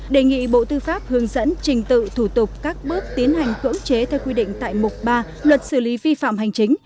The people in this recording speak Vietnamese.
đề nghị bộ tư pháp hướng dẫn trình tự thủ tục các bước tiến hành cưỡng chế theo quy định tại mục ba luật xử lý vi phạm hành chính